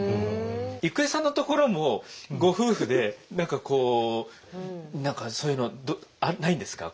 郁恵さんのところもご夫婦で何かこう何かそういうのないんですか？